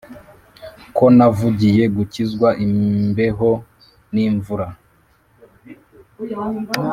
ko navugiye gukizwa imbeho n’imvura,